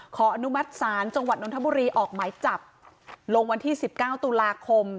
ขออนุมัติศาลจังหวัดนทบุรีออกหมายจับลงวันที่๑๙ตุลาคม